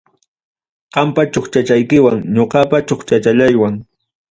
Qampa chukchachaykiwan ñoqapa chukchachallaywan.